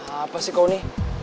apa sih kau ini